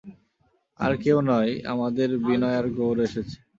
আর কেউ নয়, আমাদের বিনয় আর গৌর এসেছে।